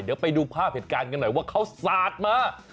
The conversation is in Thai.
เดี๋ยวไปดูภาพเหตุการณ์กันหน่อยว่าเขาสาดมา